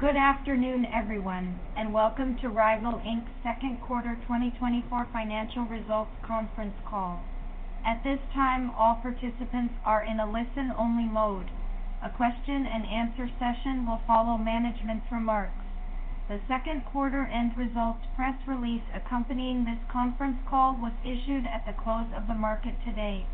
Good afternoon, everyone, and welcome to RYVYL Inc.'s second quarter 2024 financial results conference call. At this time, all participants are in a listen-only mode. A question and answer session will follow management's remarks. The second quarter end results press release accompanying this conference call was issued at the close of the market today.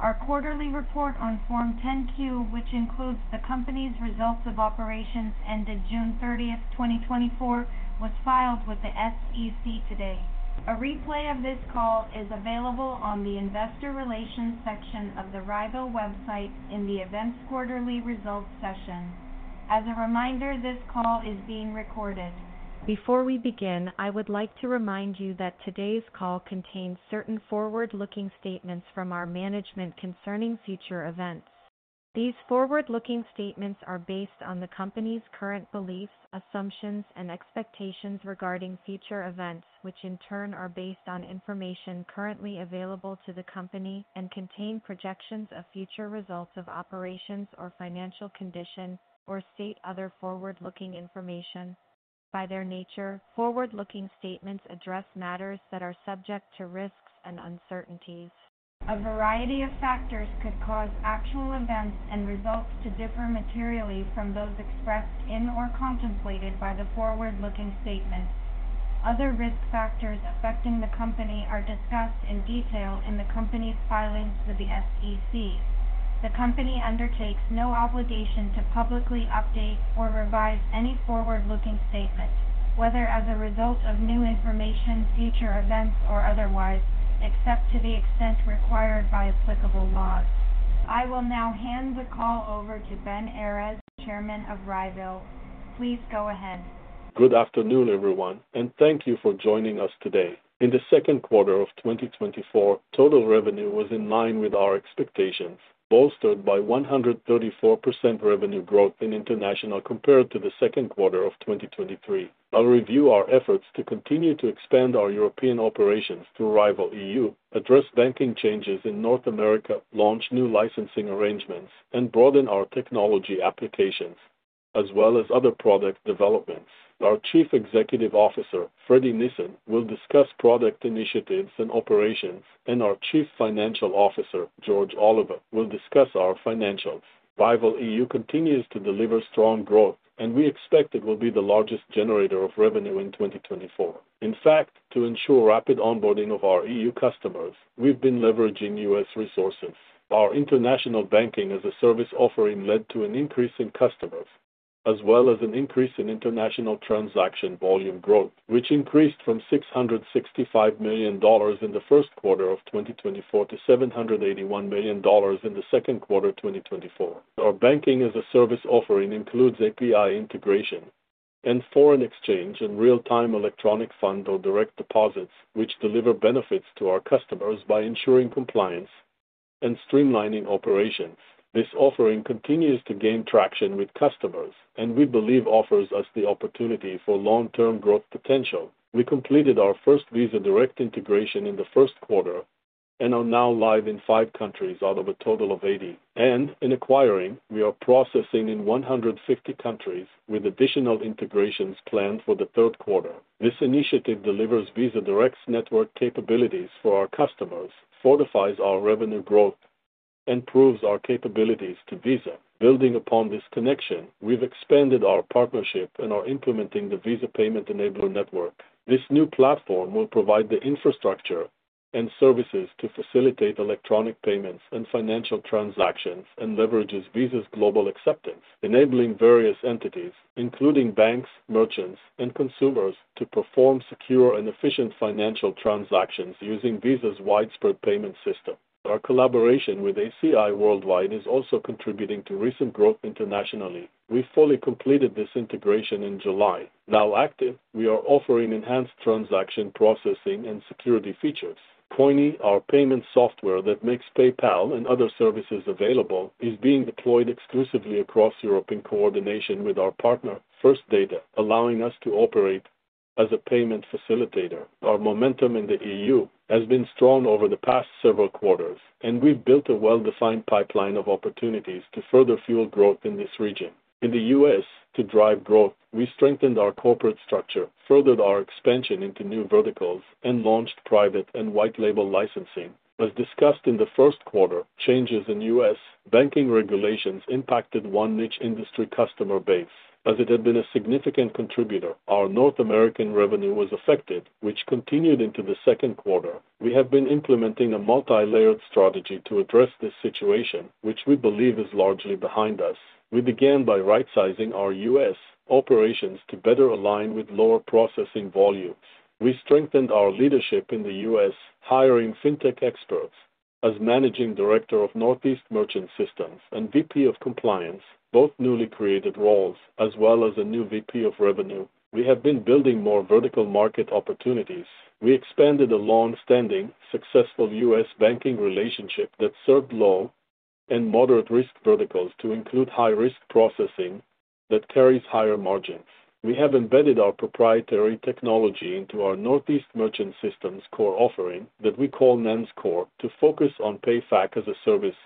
Our quarterly report on Form 10-Q, which includes the company's results of operations ended June 30, 2024, was filed with the SEC today. A replay of this call is available on the Investor Relations section of the RYVYL website in the Events Quarterly Results session. As a reminder, this call is being recorded. Before we begin, I would like to remind you that today's call contains certain forward-looking statements from our management concerning future events. These forward-looking statements are based on the company's current beliefs, assumptions, and expectations regarding future events, which in turn are based on information currently available to the company and contain projections of future results of operations or financial condition, or state other forward-looking information. By their nature, forward-looking statements address matters that are subject to risks and uncertainties. A variety of factors could cause actual events and results to differ materially from those expressed in or contemplated by the forward-looking statements. Other risk factors affecting the company are discussed in detail in the company's filings with the SEC. The company undertakes no obligation to publicly update or revise any forward-looking statements, whether as a result of new information, future events, or otherwise, except to the extent required by applicable laws. I will now hand the call over to Ben Errez, Chairman of RYVYL. Please go ahead. Good afternoon, everyone, and thank you for joining us today. In the second quarter of 2024, total revenue was in line with our expectations, bolstered by 134% revenue growth in International compared to the second quarter of 2023. I'll review our efforts to continue to expand our European operations through RYVYL EU, address banking changes in North America, launch new licensing arrangements, and broaden our technology applications, as well as other product developments. Our Chief Executive Officer, Fredi Nisan, will discuss product initiatives and operations, and our Chief Financial Officer, George Oliva, will discuss our financials. RYVYL EU continues to deliver strong growth, and we expect it will be the largest generator of revenue in 2024. In fact, to ensure rapid onboarding of our EU customers, we've been leveraging U.S. resources. Our International Banking-as-a-Service offering led to an increase in customers, as well as an increase in International transaction volume growth, which increased from $665 million in the first quarter of 2024 to $781 million in the second quarter of 2024. Our Banking-as-a-Service offering includes API integration and foreign exchange and real-time electronic fund or direct deposits, which deliver benefits to our customers by ensuring compliance and streamlining operations. This offering continues to gain traction with customers and we believe offers us the opportunity for long-term growth potential. We completed our first Visa Direct integration in the first quarter and are now live in 5 countries out of a total of 80. In acquiring, we are processing in 150 countries with additional integrations planned for the third quarter. This initiative delivers Visa Direct's network capabilities for our customers, fortifies our revenue growth, and proves our capabilities to Visa. Building upon this connection, we've expanded our partnership and are implementing the Visa Payment Enabler Network. This new platform will provide the infrastructure and services to facilitate electronic payments and financial transactions, and leverages Visa's global acceptance, enabling various entities, including banks, merchants, and consumers, to perform secure and efficient financial transactions using Visa's widespread payment system. Our collaboration with ACI Worldwide is also contributing to recent growth internationally. We fully completed this integration in July. Now active, we are offering enhanced transaction processing and security features. Coyni, our payment software that makes PayPal and other services available, is being deployed exclusively across Europe in coordination with our partner, First Data, allowing us to operate as a payment facilitator. Our momentum in the EU has been strong over the past several quarters, and we've built a well-defined pipeline of opportunities to further fuel growth in this region. In the U.S., to drive growth, we strengthened our corporate structure, furthered our expansion into new verticals, and launched private and white label licensing. As discussed in the first quarter, changes in U.S. banking regulations impacted one niche industry customer base. As it had been a significant contributor, our North American revenue was affected, which continued into the second quarter. We have been implementing a multilayered strategy to address this situation, which we believe is largely behind us. We began by rightsizing our U.S. operations to better align with lower processing volumes. We strengthened our leadership in the U.S., hiring fintech experts as Managing Director of Northeast Merchant Systems and VP of Compliance, both newly created roles, as well as a new VP of Revenue. We have been building more vertical market opportunities. We expanded a long-standing, successful U.S. banking relationship that served low and moderate-risk verticals to include high-risk processing that carries higher margins. We have embedded our proprietary technology into our Northeast Merchant Systems core offering that we call NEMS Core, to focus on PayFac-as-a-Service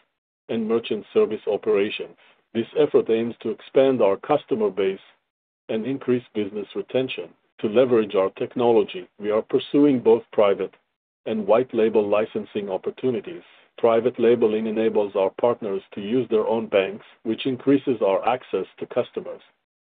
and merchant service operations. This effort aims to expand our customer base and increase business retention. To leverage our technology, we are pursuing both private and white label licensing opportunities. Private labeling enables our partners to use their own banks, which increases our access to customers,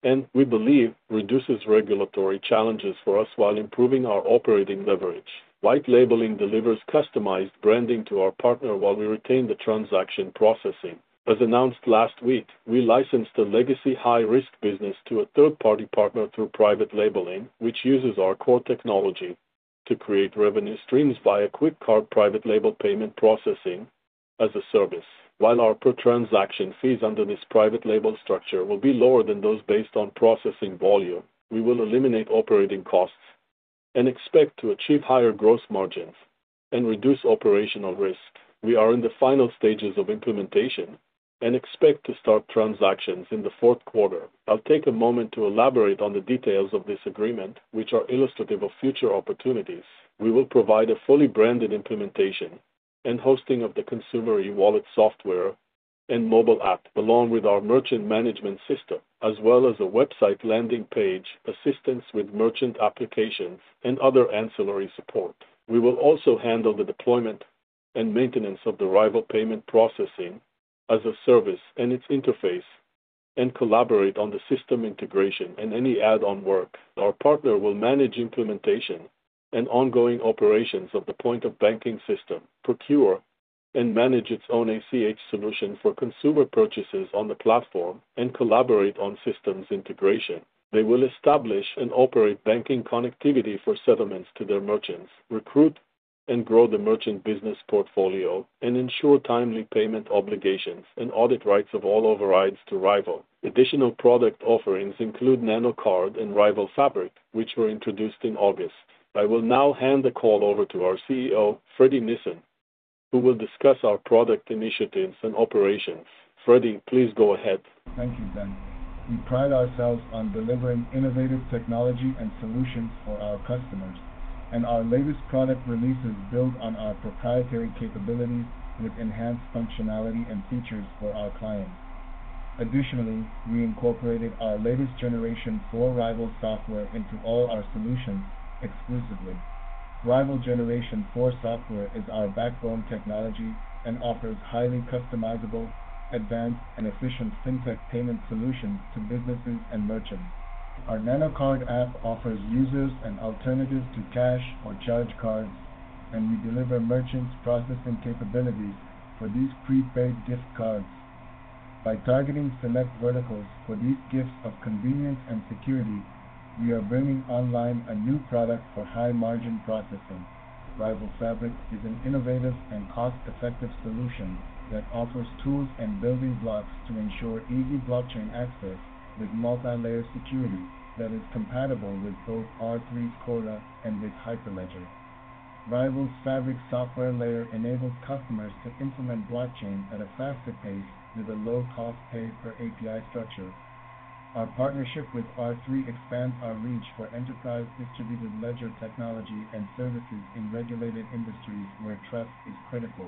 and we believe reduces regulatory challenges for us while improving our operating leverage. White labeling delivers customized branding to our partner while we retain the transaction processing. As announced last week, we licensed a legacy high-risk business to a third-party partner through private labeling, which uses our core technology to create revenue streams via QuickCard private label payment processing as a service. While our per-transaction fees under this private label structure will be lower than those based on processing volume, we will eliminate operating costs and expect to achieve higher gross margins and reduce operational risk. We are in the final stages of implementation and expect to start transactions in the fourth quarter. I'll take a moment to elaborate on the details of this agreement, which are illustrative of future opportunities. We will provide a fully branded implementation and hosting of the consumer e-wallet software and mobile app, along with our merchant management system, as well as a website landing page, assistance with merchant applications, and other ancillary support. We will also handle the deployment and maintenance of the RYVYL payment processing as a service and its interface, and collaborate on the system integration and any add-on work. Our partner will manage implementation and ongoing operations of the point-of-banking system, procure and manage its own ACH solution for consumer purchases on the platform, and collaborate on systems integration. They will establish and operate banking connectivity for settlements to their merchants, recruit and grow the merchant business portfolio, and ensure timely payment obligations and audit rights of all overrides to RYVYL. Additional product offerings include NanoKard and RYVYL Fabric, which were introduced in August. I will now hand the call over to our CEO, Fredi Nisan, who will discuss our product initiatives and operations. Fredi, please go ahead. Thank you, Ben. We pride ourselves on delivering innovative technology and solutions for our customers, and our latest product releases build on our proprietary capabilities with enhanced functionality and features for our clients. Additionally, we incorporated our latest RYVYL Generation 4 software into all our solutions exclusively. RYVYL Generation 4 software is our backbone technology and offers highly customizable, advanced, and efficient fintech payment solutions to businesses and merchants. Our NanoKard app offers users an alternative to cash or charge cards, and we deliver merchants processing capabilities for these prepaid gift cards. By targeting select verticals for these gifts of convenience and security, we are bringing online a new product for high-margin processing. RYVYL Fabric is an innovative and cost-effective solution that offers tools and building blocks to ensure easy blockchain access with multi-layer security that is compatible with both R3's Corda and with Hyperledger. RYVYL's Fabric software layer enables customers to implement blockchain at a faster pace with a low-cost pay per API structure. Our partnership with R3 expands our reach for enterprise distributed ledger technology and services in regulated industries where trust is critical.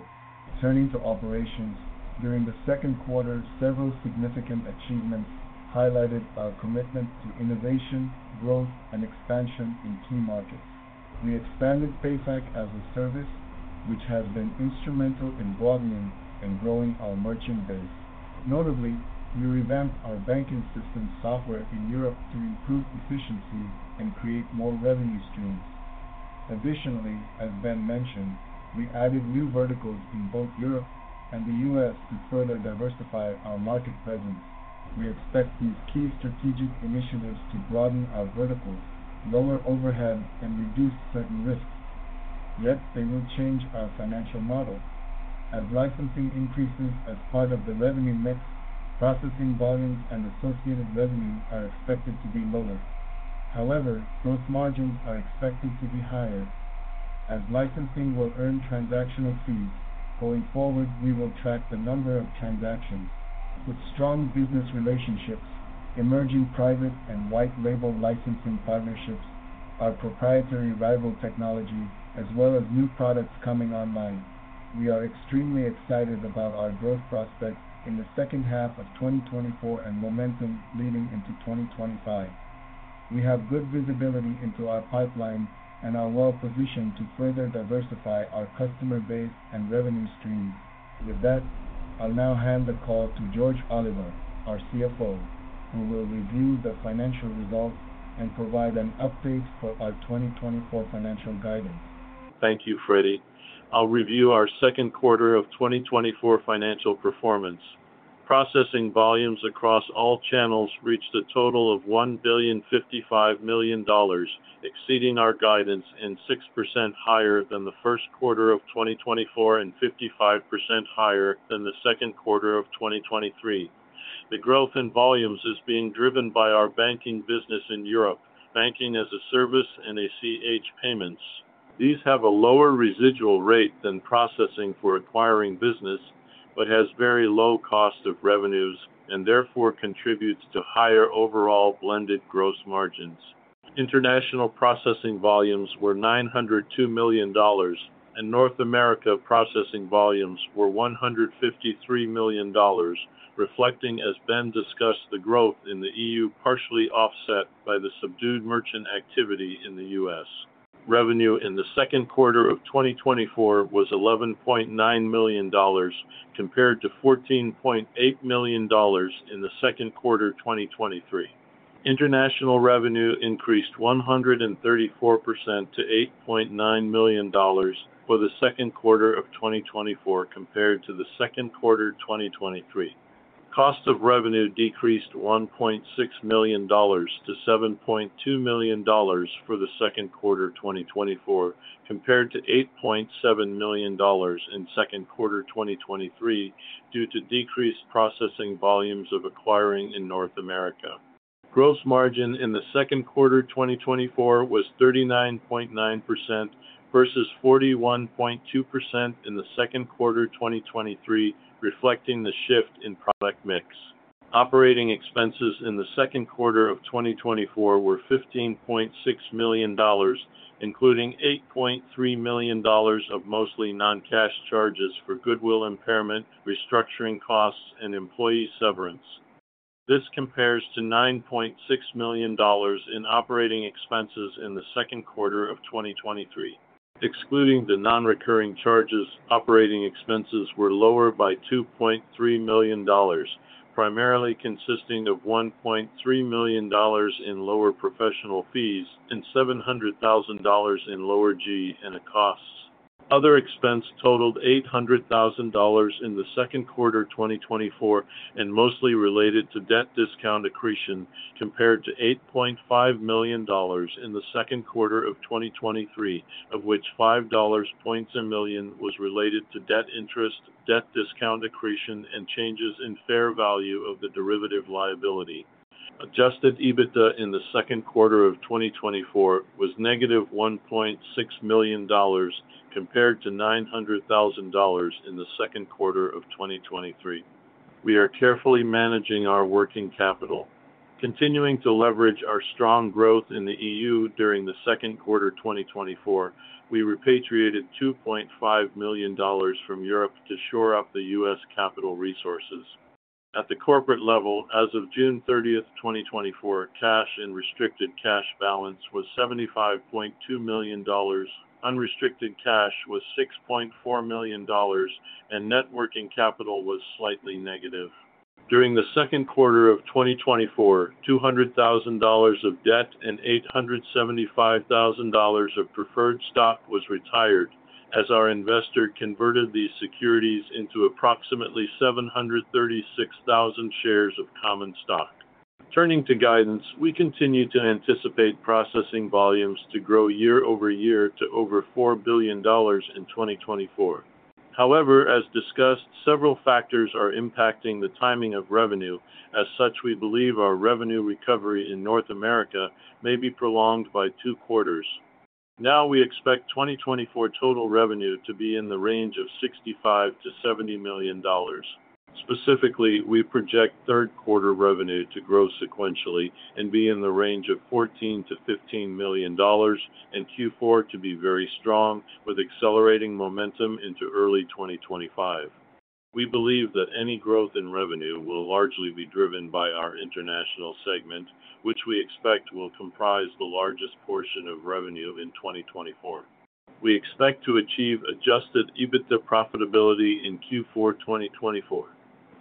Turning to operations. During the second quarter, several significant achievements highlighted our commitment to innovation, growth, and expansion in key markets. We expanded PayFac-as-a-Service, which has been instrumental in broadening and growing our merchant base. Notably, we revamped our banking system software in Europe to improve efficiency and create more revenue streams. Additionally, as Ben mentioned, we added new verticals in both Europe and the U.S. to further diversify our market presence. We expect these key strategic initiatives to broaden our verticals, lower overhead, and reduce certain risks, yet they will change our financial model. As licensing increases as part of the revenue mix, processing volumes and associated revenue are expected to be lower. However, gross margins are expected to be higher as licensing will earn transactional fees. Going forward, we will track the number of transactions. With strong business relationships, emerging private and white label licensing partnerships, our proprietary RYVYL technology, as well as new products coming online, we are extremely excited about our growth prospects in the second half of 2024 and momentum leading into 2025. We have good visibility into our pipeline and are well positioned to further diversify our customer base and revenue streams. With that, I'll now hand the call to George Oliva, our CFO, who will review the financial results and provide an update for our 2024 financial guidance. Thank you, Fredi. I'll review our second quarter of 2024 financial performance. Processing volumes across all channels reached a total of $1.055 billion, exceeding our guidance and 6% higher than the first quarter of 2024, and 55% higher than the second quarter of 2023. The growth in volumes is being driven by our banking business in Europe, Banking-as-a-Service and ACH payments. These have a lower residual rate than processing for acquiring business, but has very low cost of revenues and therefore contributes to higher overall blended gross margins. International processing volumes were $902 million, and North America processing volumes were $153 million, reflecting, as Ben discussed, the growth in the EU, partially offset by the subdued merchant activity in the U.S. Revenue in the second quarter of 2024 was $11.9 million, compared to $14.8 million in the second quarter of 2023. International revenue increased 134% to $8.9 million for the second quarter of 2024 compared to the second quarter of 2023. Cost of revenue decreased $1.6 million to $7.2 million for the second quarter of 2024, compared to $8.7 million in second quarter 2023, due to decreased processing volumes of acquiring in North America. Gross margin in the second quarter of 2024 was 39.9% versus 41.2% in the second quarter of 2023, reflecting the shift in product mix. Operating expenses in the second quarter of 2024 were $15.6 million, including $8.3 million of mostly non-cash charges for goodwill impairment, restructuring costs, and employee severance. This compares to $9.6 million in operating expenses in the second quarter of 2023. Excluding the non-recurring charges, operating expenses were lower by $2.3 million, primarily consisting of $1.3 million in lower professional fees and $700,000 in lower G&A costs. Other expense totaled $800,000 in the second quarter of 2024 and mostly related to debt discount accretion, compared to $8.5 million in the second quarter of 2023, of which $5.5 million was related to debt interest, debt discount accretion, and changes in fair value of the derivative liability. Adjusted EBITDA in the second quarter of 2024 was -$1.6 million, compared to $900,000 in the second quarter of 2023. We are carefully managing our working capital. Continuing to leverage our strong growth in the EU during the second quarter of 2024, we repatriated $2.5 million from Europe to shore up the U.S. capital resources. At the corporate level, as of June 30, 2024, cash and restricted cash balance was $75.2 million, unrestricted cash was $6.4 million, and net working capital was slightly negative. During the second quarter of 2024, $200,000 of debt and $875,000 of preferred stock was retired as our investor converted these securities into approximately 736,000 shares of common stock. Turning to guidance, we continue to anticipate processing volumes to grow year-over-year to over $4 billion in 2024. However, as discussed, several factors are impacting the timing of revenue. As such, we believe our revenue recovery in North America may be prolonged by two quarters. Now, we expect 2024 total revenue to be in the range of $65 million-$70 million. Specifically, we project third quarter revenue to grow sequentially and be in the range of $14 million-$15 million and Q4 to be very strong, with accelerating momentum into early 2025. We believe that any growth in revenue will largely be driven by our International segment, which we expect will comprise the largest portion of revenue in 2024. We expect to achieve adjusted EBITDA profitability in Q4 2024.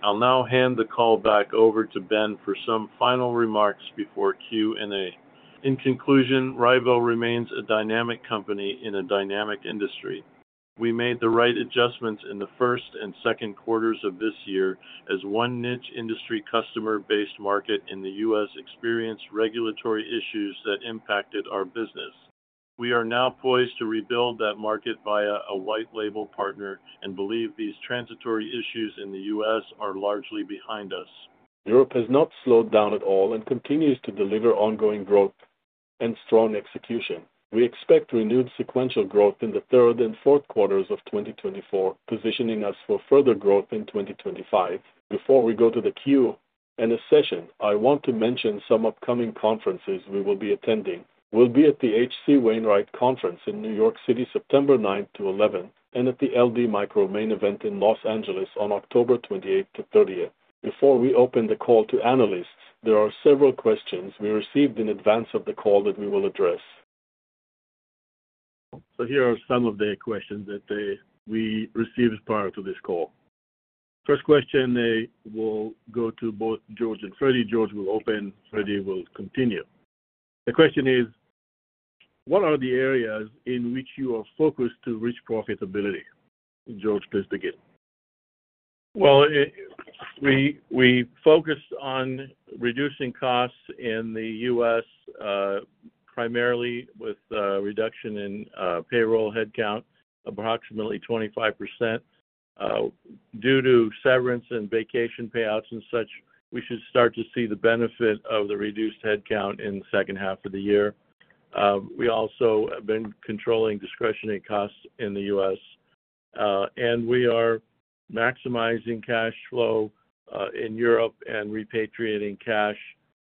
I'll now hand the call back over to Ben for some final remarks before Q&A. In conclusion, RYVYL remains a dynamic company in a dynamic industry. We made the right adjustments in the first and second quarters of this year as one niche industry customer-based market in the U.S. experienced regulatory issues that impacted our business. We are now poised to rebuild that market via a white label partner and believe these transitory issues in the U.S. are largely behind us. Europe has not slowed down at all and continues to deliver ongoing growth and strong execution. We expect renewed sequential growth in the third and fourth quarters of 2024, positioning us for further growth in 2025. Before we go to the Q&A session, I want to mention some upcoming conferences we will be attending. We'll be at the H.C. Wainwright Conference in New York City, September 9-11, and at the LD Micro Main Event in Los Angeles on October 28-30. Before we open the call to analysts, there are several questions we received in advance of the call that we will address. So here are some of the questions that we received prior to this call. First question will go to both George and Fredi. George will open, Fredi will continue. The question is: What are the areas in which you are focused to reach profitability? George, please begin. Well, we focused on reducing costs in the U.S., primarily with reduction in payroll headcount, approximately 25%. Due to severance and vacation payouts and such, we should start to see the benefit of the reduced headcount in the second half of the year. We also have been controlling discretionary costs in the U.S. and we are maximizing cash flow in Europe and repatriating cash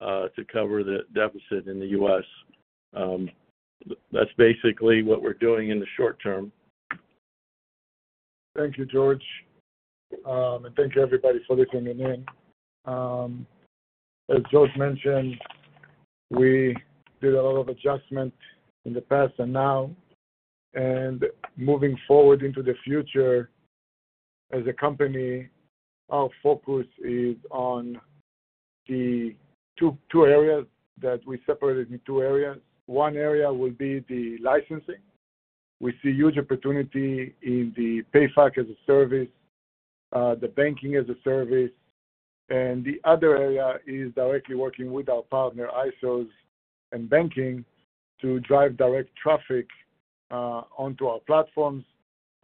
to cover the deficit in the U.S. That's basically what we're doing in the short term. Thank you, George. And thank you, everybody, for listening in. As George mentioned, we did a lot of adjustment in the past and now, and moving forward into the future, as a company, our focus is on the 2, 2 areas that we separated in 2 areas. One area will be the licensing. We see huge opportunity in the PayFac-as-a-Service, the Banking-as-a-Service, and the other area is directly working with our partner, ISOs and banking, to drive direct traffic onto our platforms,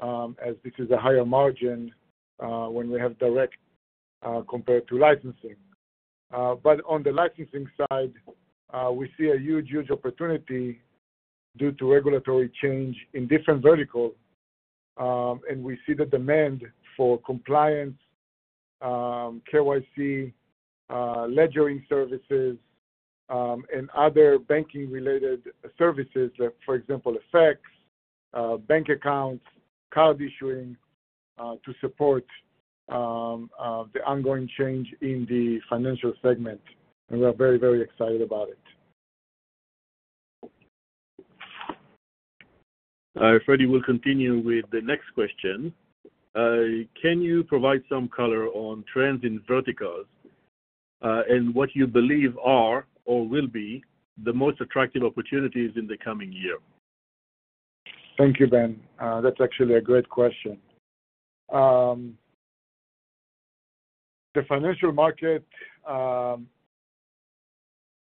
as this is a higher margin when we have direct compared to licensing. But on the licensing side, we see a huge, huge opportunity due to regulatory change in different vertical, and we see the demand for compliance, KYC, ledgering services, and other banking-related services, for example, FX, bank accounts, card issuing, to support the ongoing change in the financial segment, and we are very, very excited about it. Fredi will continue with the next question. Can you provide some color on trends in verticals, and what you believe are or will be the most attractive opportunities in the coming year? Thank you, Ben. That's actually a great question. The financial market,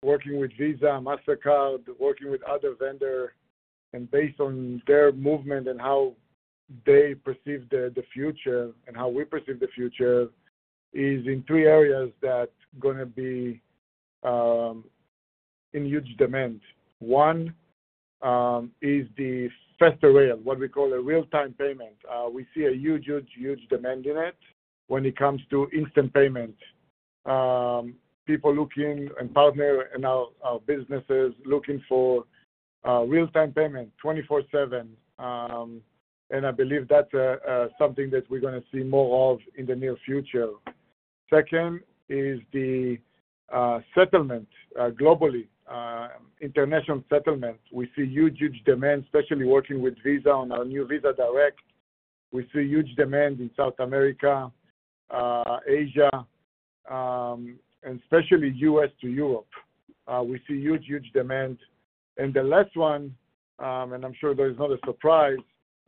working with Visa, Mastercard, working with other vendor, and based on their movement and how they perceive the future and how we perceive the future, is in three areas that gonna be in huge demand. One, is the faster rail, what we call a real-time payment. We see a huge, huge, huge demand in it when it comes to instant payments. People looking and partner and our, our businesses looking for real-time payment, 24/7. And I believe that's something that we're gonna see more of in the near future. Second, is the settlement globally, international settlement. We see huge, huge demand, especially working with Visa on our new Visa Direct. We see huge demand in South America, Asia, and especially U.S. to Europe. We see huge, huge demand. And the last one, and I'm sure there is not a surprise,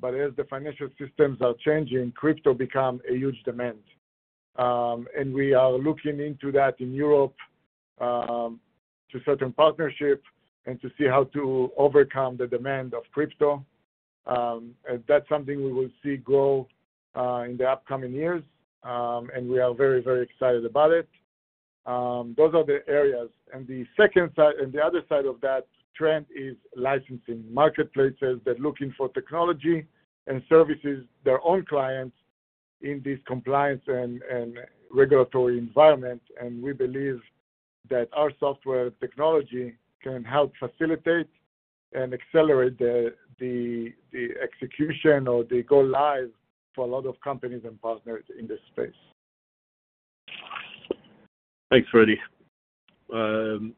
but as the financial systems are changing, crypto become a huge demand. And we are looking into that in Europe, to certain partnerships and to see how to overcome the demand of crypto. And that's something we will see grow, in the upcoming years, and we are very, very excited about it. Those are the areas. And the second side, and the other side of that trend is licensing. Marketplaces, they're looking for technology and services, their own clients, in this compliance and regulatory environment, and we believe that our software technology can help facilitate and accelerate the execution or the go live for a lot of companies and partners in this space. Thanks, Fredi. The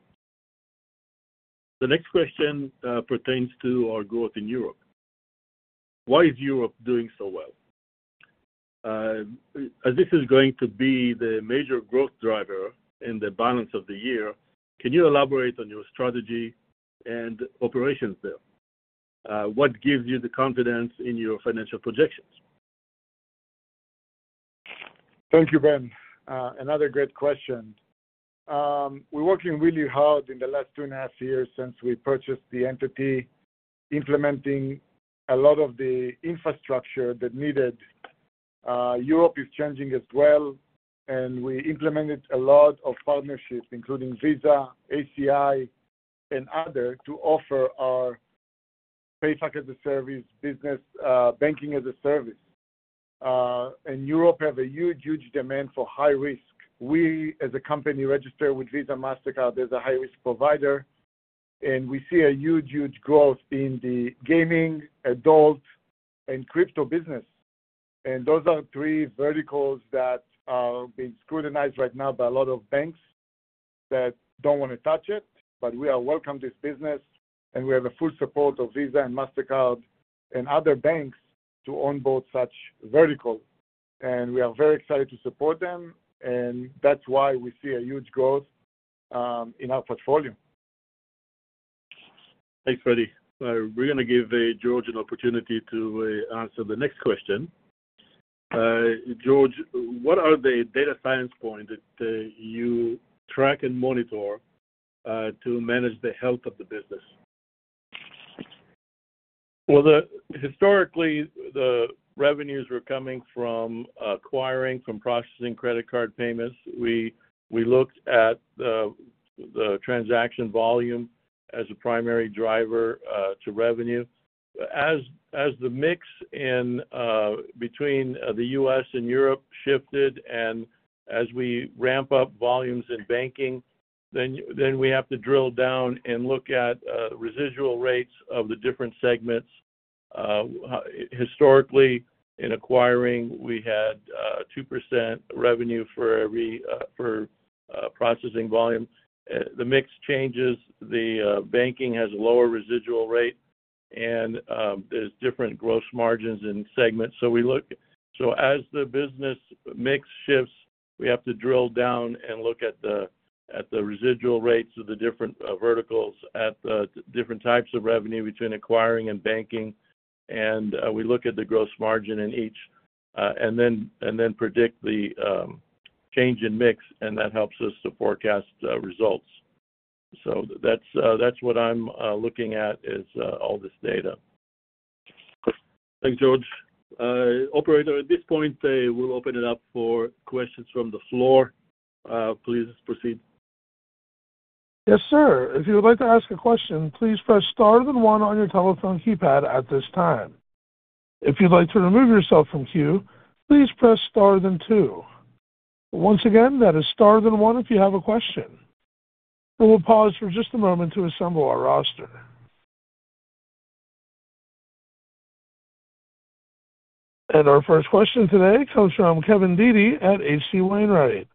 next question pertains to our growth in Europe. Why is Europe doing so well? As this is going to be the major growth driver in the balance of the year, can you elaborate on your strategy and operations there? What gives you the confidence in your financial projections? Thank you, Ben. Another great question. We're working really hard in the last 2.5 years since we purchased the entity, implementing a lot of the infrastructure that needed. Europe is changing as well, and we implemented a lot of partnerships, including Visa, ACI, and other, to offer our PayFac-as-a-Service business, Banking-as-a-Service. And Europe have a huge, huge demand for high risk. We, as a company, register with Visa, Mastercard, as a high-risk provider, and we see a huge, huge growth in the gaming, adult, and crypto business. And those are three verticals that are being scrutinized right now by a lot of banks that don't want to touch it, but we are welcome this business, and we have the full support of Visa and Mastercard and other banks to onboard such verticals. We are very excited to support them, and that's why we see a huge growth in our portfolio. Thanks, Fredi. We're gonna give George an opportunity to answer the next question. George, what are the data science point that you track and monitor to manage the health of the business? Well, historically, the revenues were coming from acquiring, from processing credit card payments. We looked at the transaction volume as a primary driver to revenue. As the mix in between the U.S. and Europe shifted and as we ramp up volumes in banking, then we have to drill down and look at residual rates of the different segments. Historically, in acquiring, we had 2% revenue for every processing volume. The mix changes, the banking has a lower residual rate, and there's different gross margins in segments. So as the business mix shifts, we have to drill down and look at the residual rates of the different verticals, at the different types of revenue between acquiring and banking. We look at the gross margin in each, and then predict the change in mix, and that helps us to forecast results. So that's what I'm looking at, is all this data. Thanks, George. Operator, at this point, I will open it up for questions from the floor. Please proceed. Yes, sir. If you would like to ask a question, please press star then one on your telephone keypad at this time. If you'd like to remove yourself from the queue, please press star then two. Once again, that is star then one if you have a question. We will pause for just a moment to assemble our roster. And our first question today comes from Kevin Dede at H.C. Wainwright.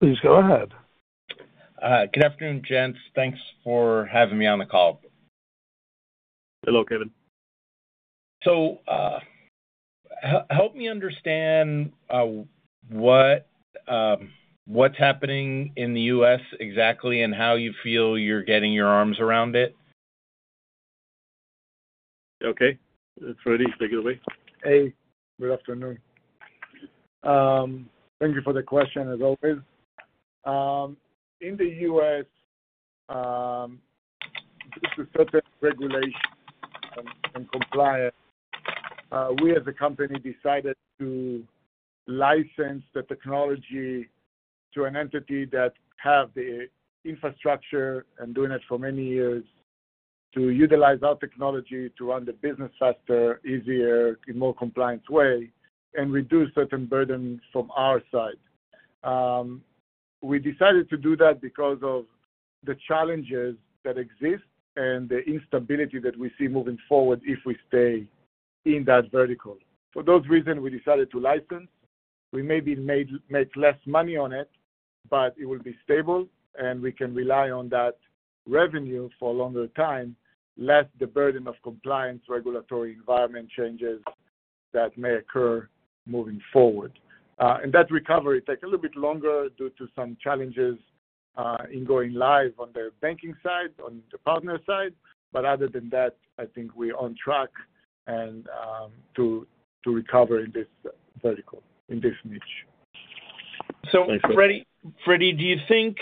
Please go ahead. Good afternoon, gents. Thanks for having me on the call. Hello, Kevin. Help me understand what's happening in the U.S. exactly, and how you feel you're getting your arms around it? Okay, Fredi, take it away. Hey, good afternoon. Thank you for the question, as always. In the U.S., due to certain regulations and compliance, we, as a company, decided to license the technology to an entity that have the infrastructure and doing it for many years, to utilize our technology to run the business faster, easier, in more compliant way, and reduce certain burdens from our side. We decided to do that because of the challenges that exist and the instability that we see moving forward if we stay in that vertical. For those reasons, we decided to license. We maybe make less money on it, but it will be stable, and we can rely on that revenue for a longer time, less the burden of compliance, regulatory environment changes that may occur moving forward. That recovery takes a little bit longer due to some challenges in going live on the banking side, on the partner side. Other than that, I think we're on track and to recover in this vertical, in this niche. So, Fredi, Fredi, do you think,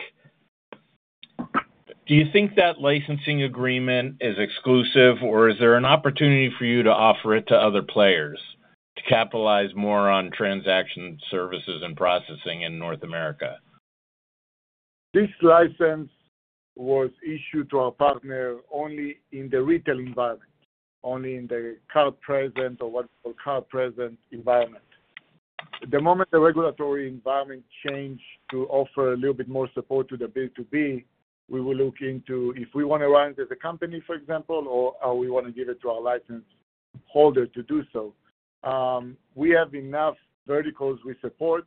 do you think that licensing agreement is exclusive, or is there an opportunity for you to offer it to other players to capitalize more on transaction services and processing in North America? This license was issued to our partner only in the retail environment, only in the card present or what's called card present environment. The moment the regulatory environment change to offer a little bit more support to the B2B, we will look into if we want to run it as a company, for example, or we want to give it to our license holder to do so. We have enough verticals we support.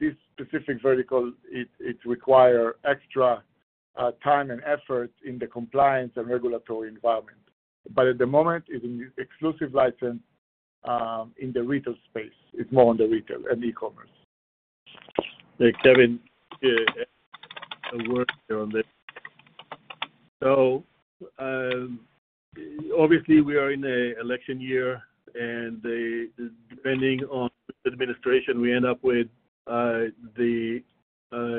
This specific vertical, it require extra time and effort in the compliance and regulatory environment. But at the moment, it's an exclusive license in the retail space. It's more on the retail and e-commerce. Hey, Kevin, I work on this. So, obviously, we are in an election year, and, depending on the administration, we end up with the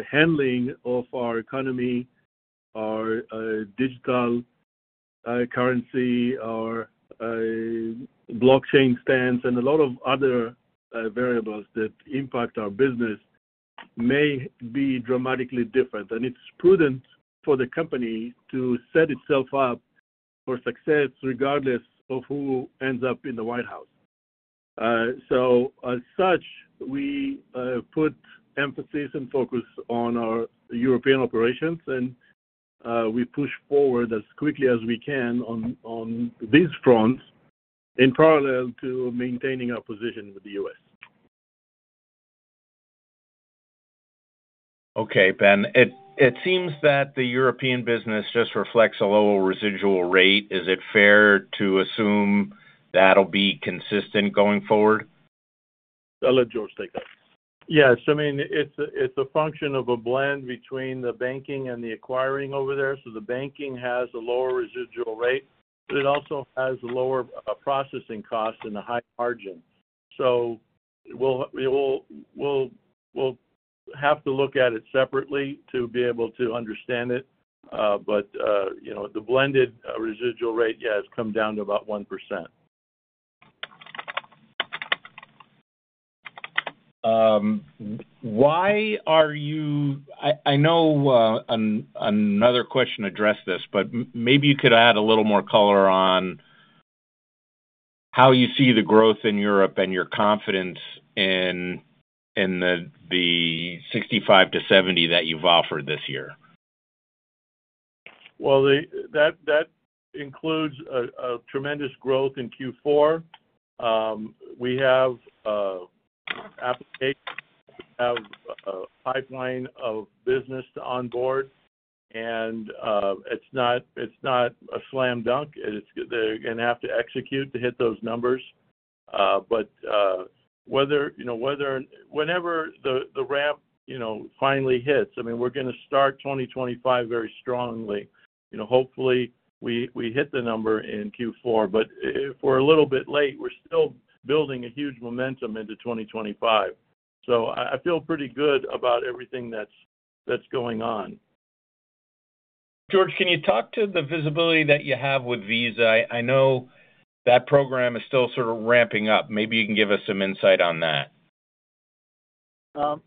handling of our economy, our digital currency, our blockchain stance, and a lot of other variables that impact our business may be dramatically different. And it's prudent for the company to set itself up for success, regardless of who ends up in the White House. So as such, we put emphasis and focus on our European operations, and we push forward as quickly as we can on these fronts, in parallel to maintaining our position with the U.S. Okay, Ben. It seems that the European business just reflects a lower residual rate. Is it fair to assume that'll be consistent going forward? I'll let George take that. Yes. I mean, it's a function of a blend between the banking and the acquiring over there. So the banking has a lower residual rate, but it also has lower processing costs and a high margin. So we'll have to look at it separately to be able to understand it. But you know, the blended residual rate, yeah, has come down to about 1%. Why are you? I know another question addressed this, but maybe you could add a little more color on how you see the growth in Europe and your confidence in the $65 million-$70 million that you've offered this year. Well, that includes a tremendous growth in Q4. We have applications, we have a pipeline of business to onboard, and it's not a slam dunk. They're gonna have to execute to hit those numbers. But whether you know, whenever the ramp you know finally hits, I mean, we're gonna start 2025 very strongly. You know, hopefully, we hit the number in Q4, but if we're a little bit late, we're still building a huge momentum into 2025. So I feel pretty good about everything that's going on. George, can you talk to the visibility that you have with Visa? I, I know that program is still sort of ramping up. Maybe you can give us some insight on that.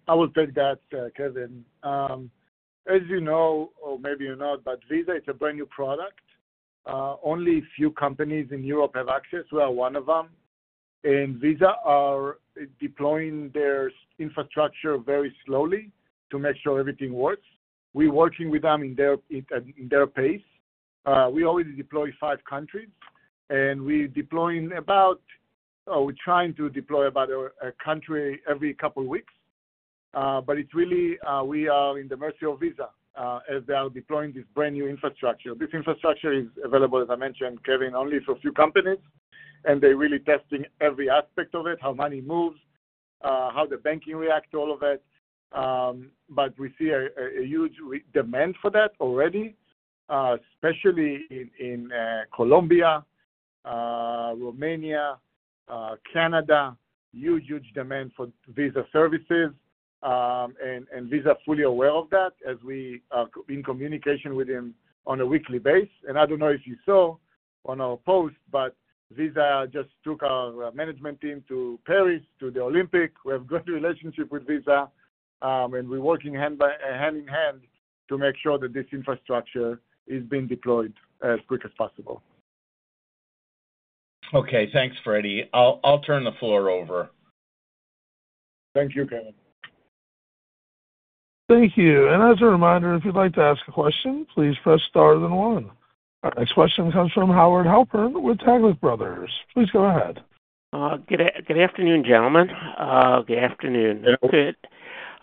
I will take that, Kevin. As you know, or maybe you not, but Visa, it's a brand-new product. Only a few companies in Europe have access. We are one of them. Visa are deploying their infrastructure very slowly to make sure everything works. We're working with them in their pace. We already deployed 5 countries, and we're trying to deploy about a country every couple of weeks. But it's really, we are in the mercy of Visa, as they are deploying this brand-new infrastructure. This infrastructure is available, as I mentioned, Kevin, only for a few companies, and they're really testing every aspect of it, how money moves, how the banking react to all of it. But we see a huge demand for that already, especially in Colombia, Romania, Canada. Huge demand for Visa services. And Visa are fully aware of that, as we are in communication with them on a weekly basis. And I don't know if you saw on our post, but Visa just took our management team to Paris, to the Olympics. We have a great relationship with Visa, and we're working hand in hand to make sure that this infrastructure is being deployed as quickly as possible. Okay. Thanks, Fredi. I'll turn the floor over. Thank you, Kevin. Thank you. As a reminder, if you'd like to ask a question, please press star then one. Our next question comes from Howard Halpern with Taglich Brothers. Please go ahead. Good afternoon, gentlemen. Good afternoon.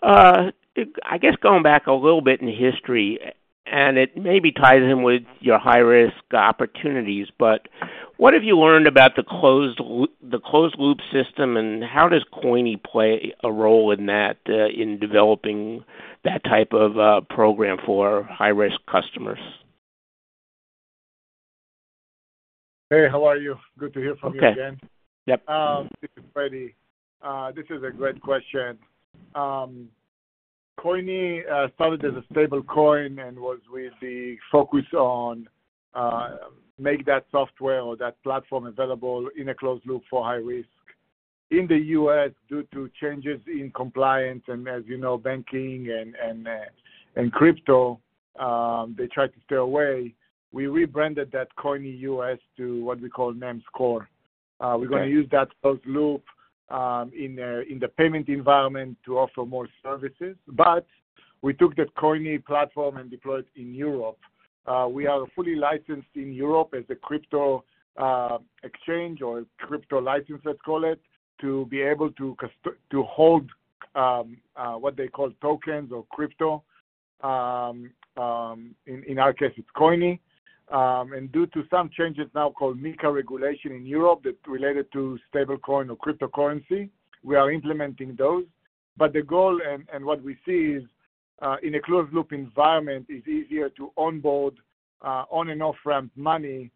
I guess going back a little bit in history, and it may be tied in with your high-risk opportunities, but what have you learned about the closed loop system, and how does Coyni play a role in that, in developing that type of program for high-risk customers? Hey, how are you? Good to hear from you again. Okay. Yep. This is Fredi. This is a great question. Coyni started as a stablecoin and was with the focus on make that software or that platform available in a closed loop for high risk. In the US, due to changes in compliance, and as you know, banking and crypto, they tried to stay away. We rebranded that Coyni US to what we call NEMS Core. Okay. We're gonna use that closed loop in the payment environment to offer more services, but we took that Coyni platform and deployed in Europe. We are fully licensed in Europe as a crypto exchange or crypto license, let's call it, to be able to hold what they call tokens or crypto. In our case, it's Coyni. And due to some changes now called MiCA regulation in Europe, that's related to stablecoin or cryptocurrency, we are implementing those. But the goal and what we see is, in a closed-loop environment, is easier to onboard on and off-ramp money,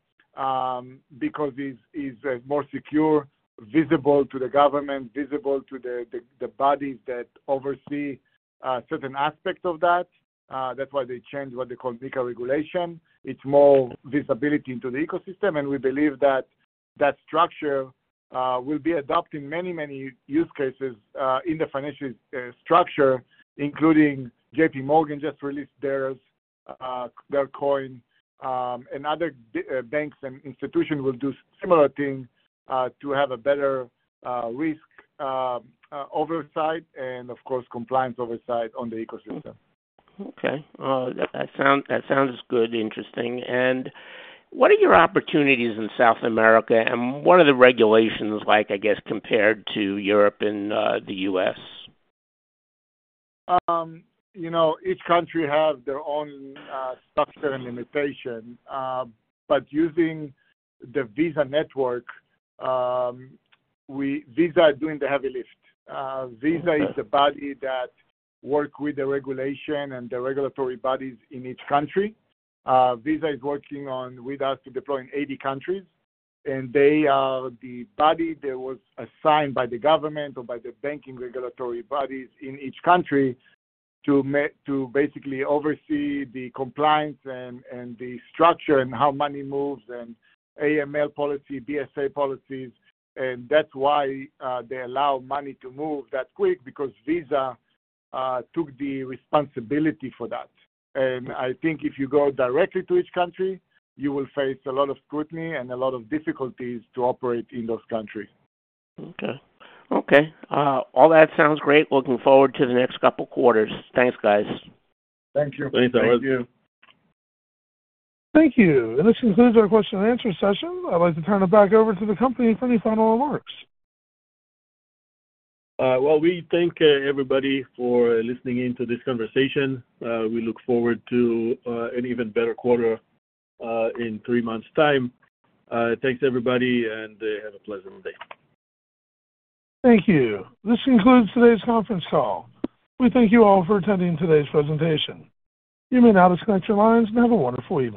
because it's more secure, visible to the government, visible to the bodies that oversee certain aspects of that. That's why they changed what they call MiCA regulation. It's more visibility into the ecosystem, and we believe that that structure will be adopting many, many use cases in the financial structure, including JPMorgan just released theirs, their coin, and other banks and institutions will do similar thing to have a better risk oversight and of course, compliance oversight on the ecosystem. Okay. That sounds good. Interesting. And what are your opportunities in South America, and what are the regulations like, I guess, compared to Europe and the U.S.? You know, each country have their own structure and limitation, but using the Visa network, Visa are doing the heavy lift. Okay. Visa is a body that work with the regulation and the regulatory bodies in each country. Visa is working on with us to deploy in 80 countries, and they are the body that was assigned by the government or by the banking regulatory bodies in each country to basically oversee the compliance and, and the structure and how money moves, and AML policy, BSA policies, and that's why they allow money to move that quick, because Visa took the responsibility for that. And I think if you go directly to each country, you will face a lot of scrutiny and a lot of difficulties to operate in those countries. Okay. Okay, all that sounds great. Looking forward to the next couple quarters. Thanks, guys. Thank you. Thanks, Howard. Thank you. Thank you. This concludes our question and answer session. I'd like to turn it back over to the company for any final remarks. Well, we thank everybody for listening in to this conversation. We look forward to an even better quarter in three months' time. Thanks, everybody, and have a pleasant day. Thank you. This concludes today's conference call. We thank you all for attending today's presentation. You may now disconnect your lines, and have a wonderful evening.